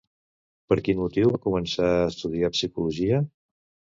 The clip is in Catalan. Per quin motiu va començar a estudiar psicologia?